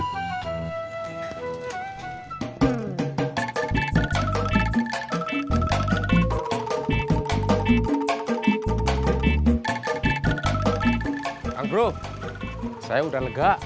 kang bro saya udah lega